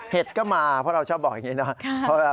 เห็ดก็มาเพราะเราชอบบอกอย่างนี้นะ